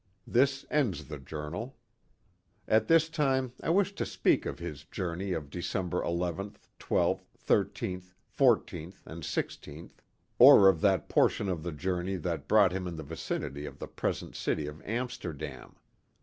This ends the journal. At this time I wish to speak of his journey of December nth, 12th, 13th, 14th, and i6th, or of that por tion of the journey that brought him in the vicinity of the present city of Amsterdam.